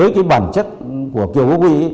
chẳng cả đó này